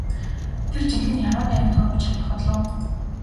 Тэр жинхэнэ яруу найраг туурвиж чадах болов уу?